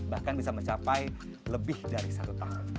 bahkan bisa mencapai lebih dari satu tahun